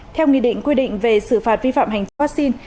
theo nghị định quy định về xử phạt vi phạm hành trình vaccine